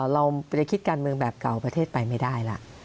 เราจะคิดการเมืองแบบเก่าประเทศไปไม่ได้ล่ะ